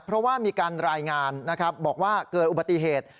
เพราะว่ามีการรายงานนะครับบอกว่าเกิดอุบัติเหตุ